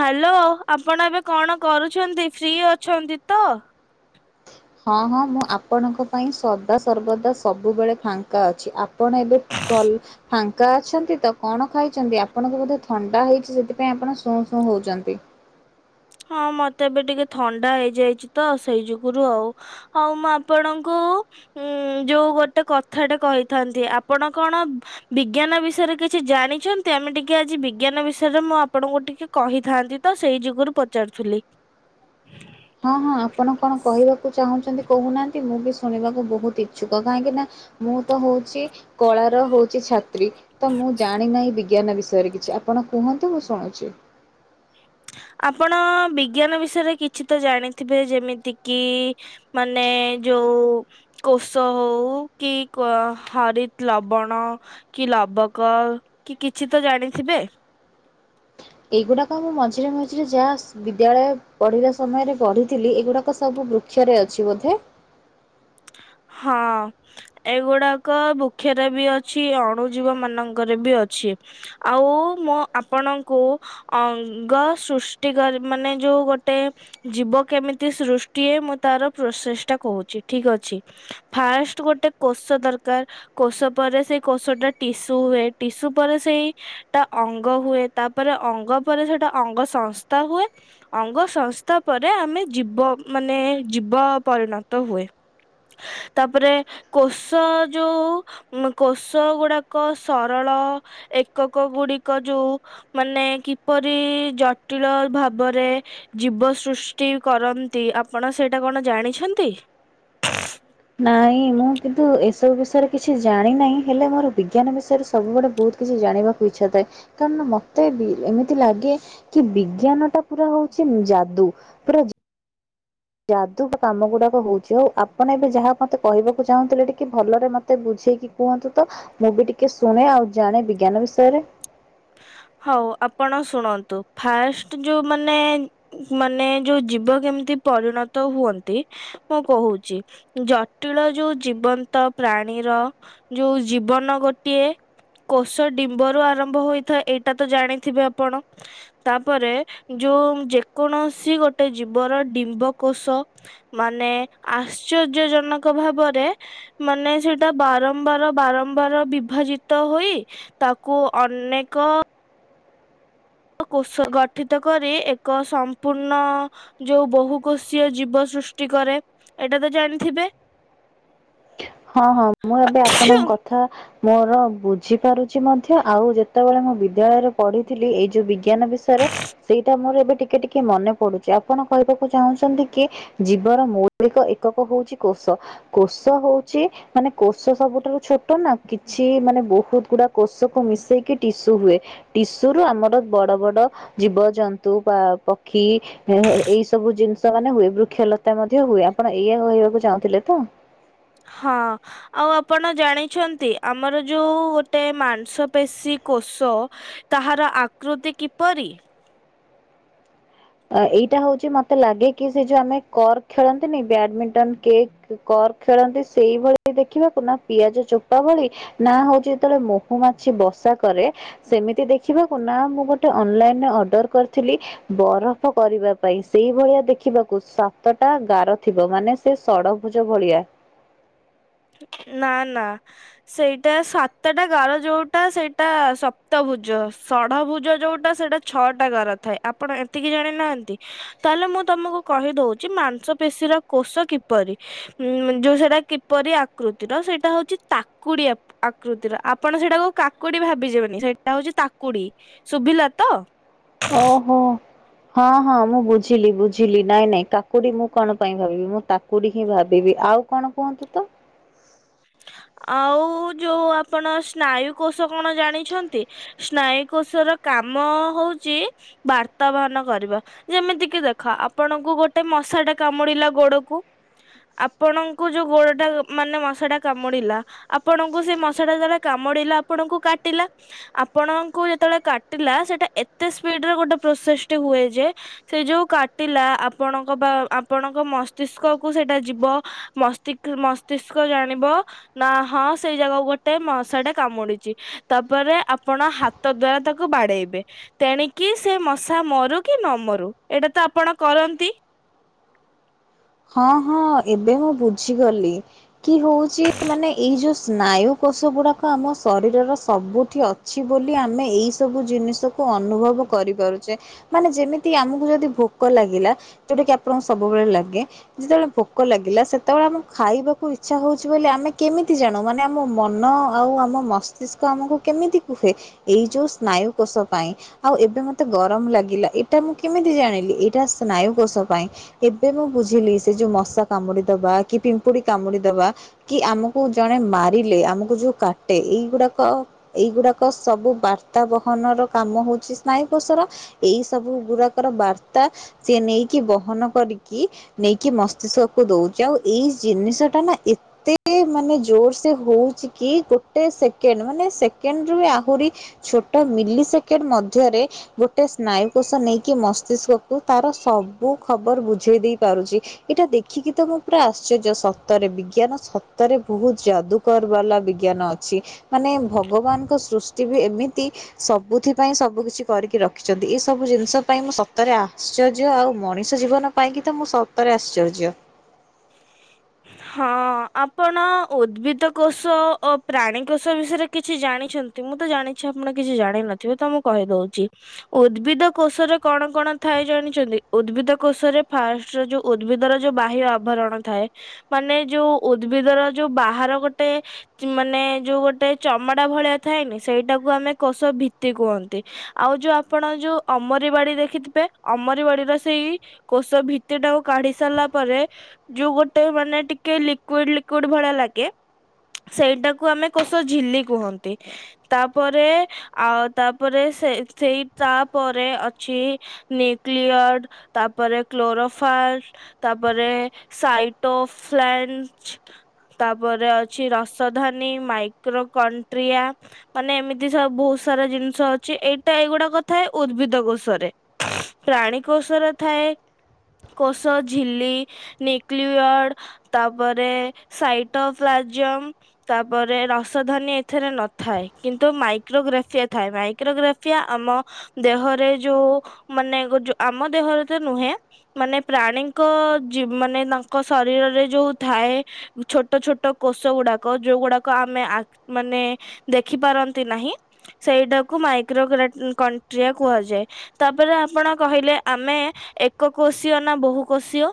Hello ଆପଣ ଏବେ କଣ କରୁଛନ୍ତି? ଫ୍ରି ଅଛନ୍ତି ତ? ହଁ ହଁ ମୁଁ ଆପଣଙ୍କ ପାଇଁ ସଦା ସର୍ବଦା ସବୁବେଳେ ଫାଙ୍କା ଅଛି। ଆପଣ ଏବେ [unintelligible] ଫାଙ୍କା ଅଛନ୍ତି ତ। କଣ ଖାଇଛନ୍ତି? ଆପଣଙ୍କୁ ବୋଧେ ଥଣ୍ଡା ହେଇଛି ସେଥିପାଇଁ ଆପଣ ଶୁଁ ଶୁଁ ହଉଛନ୍ତି? ହଁ ମତେ ଏବେ ଟିକେ ଥଣ୍ଡା ହେଇଯାଇଛି ତ ସେଇ ଯୋଗୁରୁ ଆଉ। ହଉ ମୁଁ ଆପଣଙ୍କୁ ଉଁ ଯୋଉ ଗୋଟେ କଥାଟେ କହିଥାନ୍ତି। ଆପଣ କଣ ବିଜ୍ଞାନ ବିଷୟରେ କିଛି ଜାଣିଛନ୍ତି? ଆମେ ଟିକେ ଆଜି ବିଜ୍ଞାନ ବିଷୟରେ ମୁଁ ଆପଣଙ୍କୁ ଟିକେ କହିଥାନ୍ତି ତ ସେଇ ଯୁଗରୁ ପଚାରୁଥିଲି। ହଁ ହଁ ଆପଣ କଣ କହିବାକୁ ଚାହୁଁଛନ୍ତି କହୁନାହାନ୍ତି? ମୁଁ ବି ଶୁଣିବାକୁ ବହୁତ ଇଛୁକ କାହିଁକି ନା ମୁଁ ତ ହଉଛି କଳାର ହଉଛି ଛାତ୍ରୀ। ତ ମୁଁ ଜାଣି ନାହିଁ ବିଜ୍ଞାନ ବିଷୟରେ କିଛି ଆପଣ କୁହନ୍ତୁ ମୁଁ ଶୁଣୁଛି। ଆପଣ ବିଜ୍ଞାନ ବିଷୟରେ କିଛି ତ ଜାଣିଥିବେ। ଯେମିତି କିି ମାନେ ଯୋଉ କୋଷ ହଉ କି କ ହରିତ ଲବଣ କି ଲାବକ କି କିଛି ତ ଜାଣିଥିବେ? ଏଗୁଡାକ ମୁଁ ମଝିରେ ମଝିରେ ଯାହା ସ ବିଦ୍ୟାଳୟ ପଢିବା ସମୟରେ ପଢିଥିଲି। ଏଗୁଡାକ ସବୁ ବୃକ୍ଷରେ ଅଛି ବୋଧେ? ହଁ। ଏଗୁଡାକ ବୃକ୍ଷରେ ବି ଅଛି। ଅଣୁଜୀବ ମାନଙ୍କରେ ବି ଅଛି। ଆଉ ମୁଁ ଆପଣଙ୍କୁ ଅଙ୍ଗ ସୃଷ୍ଟି କାରି, ମାନେ ଯୋଉ ଗୋଟେ ଜୀବ କେମିତି ସୃଷ୍ଟି ହୁଏ, ମୁଁ ତାର ପ୍ରୋସେସ ଟା କହୁଚି, ଠିକ ଅଛି। ଫାଷ୍ଟ ଗୋଟେ କୋଷ ଦରକାର। କୋଷ ପରେ ସେଇ କୋଷ ଟା ଟିସୁ ହୁଏ। ଟିସୁ ପରେ ସେଇ ଟା ଅଙ୍ଗ ହୁଏ। ତାପରେ ଅଙ୍ଗ ପରେ ଯଉଟା ଅଙ୍ଗ ସଂସ୍ଥା ହୁଏ। ଅଙ୍ଗ ସଂସ୍ଥା ପରେ ଆମେ ଜୀବ ମାନେ ଜୀବ ପରିଣତ ହୁଏ। ତାପରେ କୋଷ ଯୋଉ ଉ କୋଷ ଗୁଡାକ ସରଳ, ଏକକ ଗୁଡିକ ଯୋଉ ମାନେ କିପରି ଜଟିଳ ଭାବରେ ଜୀବ ସୃଷ୍ଟି କରନ୍ତି, ଆପଣ ସେଇଟା କଣ ଜାଣିଛନ୍ତି? [inaudible] ନାଇଁ ମୁଁ କିନ୍ତୁ ଏସବୁ ବିଷୟରେ କିଛି ଜାଣି ନାହିଁ। ହେଲେ ମୋର ବିଜ୍ଞାନ ବିଷୟରେ ସବୁବେଳେ ବହୁତ କିଛି ଜାଣିବାକୁ ଇଛା ଥାଏ। କାରଣ ମତେ ବି ଏମିତି ଲାଗେ କି ବିଜ୍ଞାନ ଟା ପୁରା ହଉଚି ନି ଯାଦୁ। ପୁରା ଯାଦୁ କାମ ଗୁଡାକ ହଉଚି। ଆଉ ଆପଣ ଏବେ ଯାହା ମତେ କହିବାକୁ ଚାହୁଁଥିଲେ ଟିକେ ଭଲରେ ମତେ ମତେ ବୁଝେଇକି କୁହନ୍ତୁ ତ। ମୁଁ ବି ଟିକେ ଶୁଣେ, ଆଉ ଜାଣେ ବିଜ୍ଞାନ ବିଷୟରେ। ହଉ ଆପଣ ଶୁଣନ୍ତୁ, ଫାଷ୍ଟ ଯୋଉ ମାନେ ମାନେ ଯୋଉ ଜୀବ କେମିତି ପରିଣତ ହୁଅନ୍ତି? ମୁଁ କହୁଚି। ଜଟିଳ ଯୋଉ ଜୀବନ୍ତ ପ୍ରାଣୀର ଯୋଉ ଜୀବନ ଗୋଟିଏ କୋଷ ଡିମ୍ବରୁ ଆରମ୍ଭ ହୋଇ ଥାଏ। ଏଇଟା ତ ଜାଣିଥିବେ ଆପଣ? ତାପରେ ଯୋଉ ଯେକୌଣସି ଗୋଟେ ଜୀବର ଡିମ୍ବକୋଷ ମାନେ ଆଶ୍ଚର୍ଯ୍ୟ ଜନକ ଭାବରେ ମାନେ ସେଇଟା ବାରମ୍ବାର ବାରମ୍ବାର ବିଭାଜିତ ହୋଇ ତାକୁ ଅନେକ କୋଷ ଗଠିତ କରି, ଏକ ସମ୍ପୂର୍ଣ୍ଣ ଯୋଉ ବହୁ କୋଷୀୟ ଜୀବ ସୃଷ୍ଟି କରେ। ଏଇଟା ତ ଜାଣିଥିବେ? ହଁ, ହଁ, ମୁଁ ଏବେ ଆପଣଙ୍କ କଥା କଥା ମୋର ବୁଝି ପାରୁଛି ମଧ୍ୟ। ଆଉ ଯେତେବେଳେ ମୁଁ ବିଦ୍ୟାଳୟରେ ପଢିଥିଲି, ଏଇ ଯୋଉ ବି ବିଜ୍ଞାନ ବିଷୟରେ ସେଇଟା ମୋର ଏବେ ଟିକେ ଟିକେ ମନେ ପଡୁଚି। ଆପଣ କହିବାକୁ ଚାହୁଁଛନ୍ତି କି, ଜୀବର ମୌଳିକ ଏକକ ହଉଛି କୋଶ। କୋଷ ହଉ ଚି। ମାନେ କୋଷ ସବୁଠାରୁ ଛୋଟ ନା କିଛି ମାନେ ବହୁତ ଗୁଡା କୋଷ କୁ ମିଶେଇକି ଟିସୁ ହୁଏ। ଟିସୁ ରୁ ଆମର ବଡ ବଡ ଜୀବଜନ୍ତୁ ବା ପକ୍ଷୀ ଏ ଏଇ ସବୁ ଜିନିଷ ମାନେ ହୁଏ। ବୃକ୍ଷଲତା ମଧ୍ୟ ହୁଏ। ଆପଣ ଏଇଆ କହିବାକୁ ଚାହୁଁଥିଲେ ତ? ହଁ। ଆଉ ଆପଣ ଜାଣିଛନ୍ତି ଆମର ଯୋଉ ଗୋଟେ ମାଂସ ପେଶୀ କୋଷ ତାହାର ଆକୃତି କିପରି? ଏଇଟା ହଉଛି ମତେ ଲାଗେ କି ସେ ଯୋଉ ଆମେ କର୍କ ଖେଳନ୍ତିନି ବ୍ୟାଡମିଣ୍ଟନ କେକ୍ କକ୍ ଖେଳନ୍ତି ସେଇଭଳି ଦେଖିବାକୁ ନା ପିଆଜ ଚୋପା ଭଳି ନା ହଉଛି ଯେତେବେଳେ ମହୁ ମାଛି ବସା କରେ ସେମିତି ଦେଖିବାକୁ ନା ମୁଁ ଗୋଟେ ଅନଲାଇନରେ ଅର୍ଡର କରିଥିଲି ବରଫ କରିବା ପାଇଁ ସେଇ ଭଳିଆ ଦେଖିବାକୁ ସାତଟା ଗାର ଥିବ ମାନେ ସେ ଷଡଭୁଜ ଭଳିଆ। ନା ନା। ସେଇଟା ସାତଟା ଗାର ଯୋଉଟା ସେଇଟା ସପ୍ତଭୁଜ ଷଢ ଭୁଜ ଯୋଉଟା ସେଇଟା ଛଅଟା ଗାର ଥାଏ ଆପଣ ଏତିକି ଜାଣି ନାହାନ୍ତି? ତାହେଲେ ମୁଁ ତମକୁ କହିଦଉଛି ମାଂସ ପେଶୀର କୋଷ କିପରି? ଉଁ ଯୋଉ ସେଇଟା କିପରି ଆକୃତିର ସେଇଟା ହଉଛି ତାକୁଡି ଆ ଆକୃତିର ଆପଣ ସେଇଟାକୁ କାକୁଡି ଭାବିଯିବେନି ସେଇଟା ହଉଛି ତାକୁଡି। ଶୁଭିଲା ତ। ଓହୋ। ହଁ ହଁ ମୁଁ ବୁଝିଲି ବୁଝିଲି ନାଇଁ ନାଇଁ କାକୁଡି ମୁଁ କଣ ପାଇଁ ଭାବିବି ମୁଁ ତାକୁଡି ହିଁ ଭାବିବି ଆଉ କଣ କୁହନ୍ତୁ ତ? ଆଉ ଯୋଉ ଆପଣ ସ୍ନାୟୁ କୋଷ କଣ ଜାଣିଛନ୍ତି? ସ୍ନାୟୁ କୋଶ ର କାମ ହଉଛି ବାର୍ତ୍ତା ବାହନ କରିବା। ଯେମିତି କିି ଦେଖ ଆପଣଙ୍କୁ ଗୋଟେ ମଶା ଟା କାମୁଡିଲା ଗୋଡକୁ ଆପଣଙ୍କୁ ଯୋଉ ଗୋଡ ଟା ମାନେ ମଶା ଟା କାମୁ କାମୁଡିଲା ଆପଣଙ୍କୁ ସେ ମଶାଟା ଯେତେବେଳେ କାମୁଡିଲା ଆପଣଙ୍କୁ କାଟିଲା ଆପଣଙ୍କୁ ଯେତେବେଳେ କାଟିଲା ସେଟା ଏତେ ସ୍ପିଡରେ ଗୋଟେ ପ୍ରୋସେସଟି ହୁଏ ଯେ ସେ ଯୋଉ କାଟିଲା ଆପଣଙ୍କ ବା ଆପଣଙ୍କ ମସ୍ତିଷ୍କ କୁ ସେଇଟା ଯିବ। ମସ୍ତିଷ୍କ ମସ୍ତିଷ୍କ ଜାଣିବ। ନା ହଁ ସେଇ ଜାଗାକୁ ଗୋଟେ ମଶାଟେ କାମୁଡିଛି। ତାପରେ ଆପଣ ହାତ ଦ୍ଵାରା ତାକୁ ବାଡେଇବେ। ତେଣିକି ସେ ମଶା ମରୁ କି ନ ମରୁ ଏଇଟା ତ ଆପଣ କରନ୍ତି। ହଁ ହଁ ଏବେ ହଁ ବୁଝିଗଲି। କି ହଉଛି ମାନେ ଏଇ ଯୋଉ ସ୍ନାୟୁ କୋଷ ଗୁଡାକ ଆମ ଶରୀରର ସବୁଠି ଅଛି ବୋଲି ଆମେ ଏଇ ସବୁ ଜିନିଷକୁ ଅନୁଭବ କରିପାରୁଛେ। ମାନେ ଯେମିତି ଆମକୁ ଯଦି ଭୋକ ଲାଗିଲା ଯୋଉଟା କିି ଆପଣଙ୍କୁ ସବୁବେଳେ ଲାଗେ। ଯେତେବେଳେ ଭୋକ ଲାଗିଲା ସେତେବେଳେ ଆମକୁ ଖାଇବାକୁ ଇଚ୍ଛା ହଉଛି ବୋଲି ଆମେ କେମିତି ଜାଣୁ ମାନେ ଆମ ମନ ଆଉ ଆମ ମସ୍ତିଷ୍କ ଆମକୁ କେମିତି କୁହେ ଏଇ ଯେଉଁ ସ୍ନାୟୁକୋଷ ପାଇଁ। ଆଉ ଏବେ ମତେ ଗରମ ଲାଗିଲା ଏଇଟା ମୁଁ କେମିତି ଜାଣିଲି ଏଇଟା ସ୍ନାୟୁ କୋଷ ପାଇଁ। ଏବେ ମୁଁ ବୁଝିଲି ସେ ଯଉ ମଶା କାମୁଡି ଦବା କି ପିମ୍ପୁଡି କାମୁଡି ଦବା। କି ଆମକୁ ଜଣେ ମାରିଲେ ଆମକୁ ଯୋଉ କାଟେ ଏଇଗୁଡାକ ଏଇଗୁଡାକ ସବୁ ବାର୍ତ୍ତା ବହନ ର କାମ ହଉଛି ସ୍ନାୟୁକୋଷର। ଏଇ ସବୁ ଗୁଡାକର ବାର୍ତ୍ତା ସେ ନେଇକି ବହନ କରିକି ନେଇକି କି ମସ୍ତିଷ୍କକୁ ଦେଉଛି ଆଉ ଏଇ ଜିନିଷଟା ନା ଏ ଏତେ ମାନେ ଜୋର ସେ ହଉଛି କି ଗୋଟେ ସେକେଣ୍ଡ ମାନେ ସେକେଣ୍ଡ ରୁ ଆହୁରି। ଛୋଟ ମିଲି ସେକେଣ୍ଡ ମଧ୍ୟରେ ଗୋଟେ ଗୋଟେ ସ୍ନାୟୁକୋଷ ନେଇକି ମସ୍ତିଷ୍କକୁ ତାର ସବୁ ଖବର ବୁଝେଇ ଦେଇ ପାରୁଛି। ଏଇଟା ଦେଖିକି ତ ମଁ ପୁରା ଆଶ୍ଚର୍ଯ୍ୟ ସତରେ ବିଜ୍ଞାନ ସତରେ ବହୁତ ଯାଦୁ କର ବାଲା ବିଜ୍ଞାନ ଅଛି ମାନେ ଭଗବାନଙ୍କ ସୃଷ୍ଟି ବି ଏମିତି। ସବୁଥି ପାଇଁ ସବୁ କିିଛି କରିକି ରଖିଛନ୍ତି ଏଇ ସବୁ ଜିନିଷ ପାଇଁ ମୁଁ ସତରେ ଆ ଆଶ୍ଚର୍ଯ୍ୟ ଆଉ ମଣିଷ ଜୀବନ ପାଇଁ କି ତ ମୁଁ ସତରେ ଆଶ୍ଚର୍ଯ୍ୟ। ହଁ ଆପଣ ଉଦ୍ଭିଦ କୋଷ ଓ ପ୍ରାଣୀ କୋଷ ବିଷୟରେ କିଛି ଜାଣିଛ? ମୁଁ ତ ଜାଣିଛି ଆପଣ କିଛି ଜାଣିନଥିବେ ତ ମୁଁ କହିଦଉଛି। ଉଦ୍ଭିଦ କୋଷରେ କଣ କଣ ଥାଏ ଜାଣିଛନ୍ତି ଉଦ୍ଭିଦ କୋଷରେ ଫାଷ୍ଟ ଯୋଉ ଉଦ୍ଭିଦର ଯୋଉ ବାହ୍ୟ ଆଭରଣ ଥାଏ। ମାନେ ଯୋଉ ଉଦ୍ଭିଦ ର ଯୋଉ ବାହାର ଗୋଟେ ମାନେ ଯୋଉ ଗୋଟେ ଚମଡା ଭଳିଆ ଥାଏନି ସେଇଟାକୁ ଆମେ କୋଷ ଭିତି କୁହନ୍ତି। ଆଉ ଯୋଉ ଆପଣ ଯୋଉ ଅମରି ବାଡି ଦେଖିଥିବେ ଅମର ବାଡିର ସେଇ କୋଷ ଭିତ୍ତି ଟାକୁ କାଢି ସାରିଲା ପରେ ଯୋଉ ଗୋଟେ ମାନେ ଟିକେ ଲିକୁଇଡ ଲିକୁଇଡ ଭଳିଆ ଲାଗେ। ସେଇଟାକୁ ଆମେ କୋଷ ଝିଲି କୁହନ୍ତି। ତାପରେ ଆ ତାପରେ ସେ ସେଇ ତାପରେ ଅଛି। ନିୁକ୍ଲିୟଡ଼ ତାପରେ କ୍ଲୋରୋଫାଲ ତାପରେ ସାଇଟ ଅଫ ଲେନ୍ସ। ତାପରେ ଅଛି ରସଧନୀ ମାଇକ୍ରୋ କଣ୍ଟ୍ରିଆ। ମାନେ ଏମିତି ସବ ବହୁତ ସାରା ଜିନିଷ ଅଛି ଏଇଟା ଏଇଗୁଡା କଥା ଉଦ୍ଭିଦ କୋଷରେ। ପ୍ରାଣୀ କୋଷର ଥାଏ କୋଷ ଝିଲି ନି ନ୍ୟୁକ୍ଲିଅଡ଼ ତାପରେ ସାଇଟ ପ୍ଜିମ୍ ତାପରେ ରସଧନୀ ଏଥିରେ ନଥାଏ କିନ୍ତୁ ମାଇକ୍ରୋଗ୍ରାଫିଆ ଥାଏ ମାଇକ୍ରୋଗ୍ରାଫିଆ ଆମ ଦେହରେ ଯୋଉ ମାନେ ଆମ ଦେହରେ ତ ନୁହେଁ। ମାନେ ପ୍ରାଣୀଙ୍କ ମାନେ ତାଙ୍କ ଶରୀରରେ ଯୋଉ ଥାଏ। ଛୋଟ ଛୋଟ କୋଷ ଗୁଡାକ ଯୋଉ ଗୁଡାକ ଆମେ ଆ ମାନେ ଦେଖିପାରନ୍ତି ନାହିଁ ସେଇଟାକୁ ମାଇକ୍ର କଣ୍ଟ୍ରିଆ କୁହାଯାଏ। ତାପରେ ଆପଣ କହିଲେ ଆମେ ଏକ କୋଷୀୟ ନା ବହୁ କୋଷୀୟ?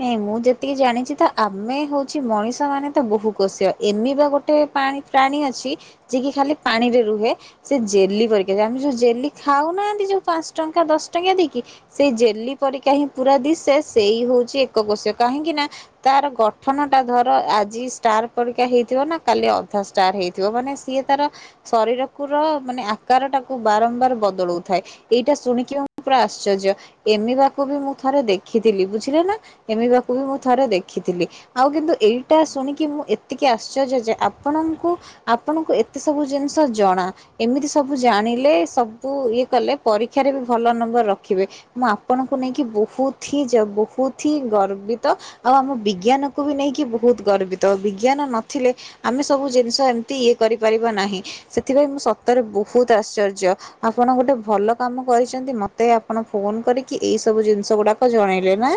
ନାଇଁ ମୁଁ ଯେତିକି ଜାଣିଛି ତ ଆମେ ହଉଛି ମଣିଷ ମାନେ ତ ବହୁ କୋଷୀୟ ଏମି ବା ଗୋଟେ ପାଣି ପ୍ରାଣୀ ଅଛି ଯିଏ କିି ଖାଲି ପାଣିରେ ରୁହେ। ସେ ଜେଲି ପରୀକା ଆମେ ଯୋଉ ଜେଲି ଖାଉନାହାନ୍ତି ଯୋଉ ପାଞ୍ଚ ଟଙ୍କା ଦଶ ଟଙ୍କା ଦେଇକି ସେଇ ଜେଲି ପରିକା ହିଁ ପୁରା ଦିସେ ସେଇ ହଉଛି ଏକକୋଷ କାହିଁକି ନା ତାର ଗଠନଟା ଧର ଆଜି ଷ୍ଟାର ପରିକା ହେଇଥିବ ନା କାଲି ଅଧାଶ ଷ୍ଟାର୍ ହେଇଥିବ ମାନେ ସିଏ ତାର ଶରୀର କୁର ମାନେ ଆକାରଟାକୁ ବାରମ୍ବାର ବଦଳଉଥାଏ। ଏଇଟା ଶୁଣିକି ପୁରା ଆଶ୍ଚର୍ଯ୍ୟ ଏମିବାକୁ ବି ମୁଁ ଥରେ ଦେଖିଥିଲି ବୁଝିଲେ ନା। ଏମିବାକୁ ବି ମୁଁ ଥରେ ଦେଖିଥିଲି। ଆଉ କିନ୍ତୁ ଏଇଟା ଶୁଣିକି ମୁଁ ଏତିକି ଆଶ୍ଚର୍ଯ୍ୟ ଯେ ଆପଣଙ୍କୁ ଆପଣଙ୍କୁ ଏତେ ସବୁ ଜିନିଷ ଜଣା। ଏମିତି ସବୁ ଜାଣିଲେ ସବୁ ଇଏ କଲେ ପରୀକ୍ଷାରେ ବି ଭଲ ନମ୍ବର ରଖିବେ। ମୁଁ ଆପଣଙ୍କୁ ନେଇକି ବହୁତ୍ ହି ଜ ବହୁତ୍ ହି ଗର୍ବିତ ଆଉ ଆମ ବିଜ୍ଞାନକୁ ବି ନେଇକି ବହୁତ ଗର୍ବିତ ବିଜ୍ଞାନ ନଥିଲେ ଆମେ ସବୁ ଜିନିଷ ଏମିତି ଇଏ କରିପାରିବା ନାହିଁ ସେଥିପାଇଁ ମୁଁ ସତରେ ବହୁତ୍ ଆଶ୍ଚର୍ଯ୍ୟ। ଆପଣ ଗୋଟେ ଭଲ କାମ କରିଛନ୍ତି ମତେ ଆପଣ ଫୋନ୍ କରିକି ଏଇ ସବୁ ଜିନିଷ ଗୁଡାକ ଜଣେଇଲେ ନା।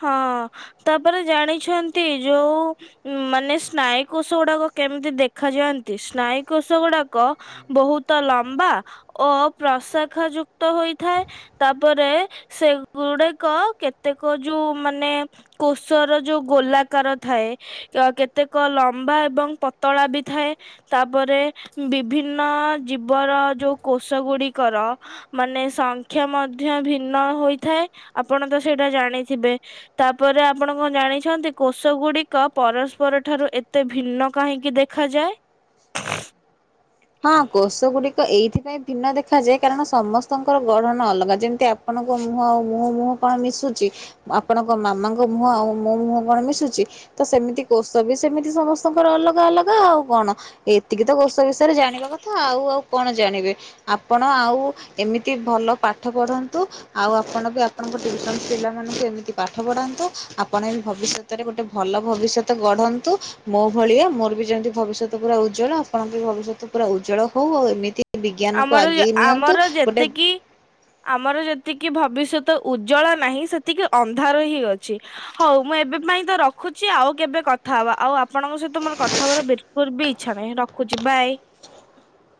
ହଁ ତାପରେ ଜାଣିଛନ୍ତି ଯୋଉ ଉ ମାନେ ସ୍ନାୟୁକୋଶ ଗୁଡାକ କେମିତି ଦେଖାଯାଆନ୍ତି ସ୍ନାୟୁକୋଶ ଗୁଡାକ ବହୁତ ଲମ୍ବା ଓ ପ୍ରଶାଖା ଯୁକ୍ତ ହୋଇଥାଏ। ତାପରେ ସେଗୁଡାକ କେତେକ ଯୋଉ ମାନେ କୋଷର ଯୋଉ ଗୋଲାକାର ଥାଏ। ତ କେତେକ ଲମ୍ବା ଏବଂ ପତଳା ବି ଥାଏ। ତାପରେ ବିଭିନ୍ନ ଜୀବର ଯୋଉ କୋଷ ଗୁଡିକର ମାନେ ସଂଖ୍ୟା ମଧ୍ୟ ଭିନ୍ନ ହୋଇଥାଏ। ଆପଣ ତ ସେଇଟା ଜାଣିଥିବେ। ତାପରେ ଆପଣ କଣ ଜାଣିଛନ୍ତି କୋଷ ଗୁଡିକ ପରସ୍ପର ଠାରୁ ଏତେ ଭିନ୍ନ କାହିଁକି ଦେ ଦେଖାଯାଏ? ହଁ କୋଷ ଗୁଡିକ ଏଇଥିପାଇଁ ଭିନ୍ନ ଦେଖାଯାଏ କାରଣ ସମସ୍ତଙ୍କର ଗଢନ ଅଲଗା। ଯେମିତି ଆ ଆପଣଙ୍କ ମୁହଁ ଆଉ ମୋ ମୁହଁ କଣ ମିଶୁଚି। ଆପଣଙ୍କ ମାମାଙ୍କ ମୁହଁ ଆଉ ମୋ ମୁହଁ କଣ ମିଶୁଚି। ତ ସେମିତି କୋଷ ବି ସେମିତି ସମସ୍ତଙ୍କର ଅଲଗା, ଅଲଗା। ଆଉ କଣ ଏତିକି ତ କୋଷ ରେ ଜାଣିବା କଥା ଆଉ, ଆଉ କଣ ଜାଣିବେ। ଆପଣ ଆଉ ଏମିତି ଭଲ ପାଠ ପଢ଼ନ୍ତୁ। ଆଉ ଆପଣ ବି ଆପଣଙ୍କ ଟ୍ୟୁସନ ପିଲା ମାନଙ୍କୁ ଏମିତି ପାଠ ପଢ଼ାନ୍ତୁ। ଆପଣ ବି ଭବିଷ୍ୟତ ରେ ଗୋଟେ ଭଲ ଭବିଷ୍ୟତ ଗଢନ୍ତୁ, ମୋ ଭଳିଆ ମୋର ବି ଯେମିତି ଭବିଷ୍ୟତ ପୁରା ଉଜ୍ଜ୍ୱଳ। ଆପଣଙ୍କ ବି ଭବିଷ୍ୟତ ପୁରା ଉଜ୍ଜଳ ହଉ। ଆଉ ଏମିତି ବିଜ୍ଞାନକୁ ଆଗେଇ ନିଅନ୍ତୁ ଆମର-ଆମର ଗୋଟେ ଯେତିକି ଆମର ଯେତିକି ଭବିଷ୍ୟତ ଉଜ୍ଜଳ ନାହିଁ ସେତିକି ଅନ୍ଧାର ହିଁ ଅଛି। ହଉ ମୁଁ ଏବେ ପାଇଁ ତ ରଖୁଛି ଆଉ କେବେ କଥା ହବା। ଆଉ ଆପଣଙ୍କ ସହିତ ମୋର କଥା ହବାର ବି ଲକୁଲ୍ ବି ଇଚ୍ଛା ନାହିଁ ରଖୁଚି ବାଏ।